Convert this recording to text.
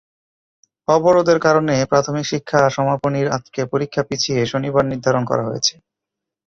অবরোধের কারণে প্রাথমিক শিক্ষা সমাপনীর আজকের পরীক্ষা পিছিয়ে শনিবার নির্ধারণ করা হয়েছে।